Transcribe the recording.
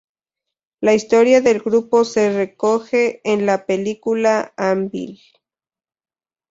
La historia del grupo se recoge en la película "Anvil!